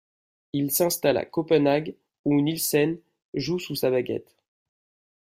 Il s’installe à Copenhague où Nielsen joue sous sa baguette.